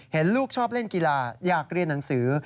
เห็นลูกชอบเล่นกีฬาอยากเรียนหนังสือ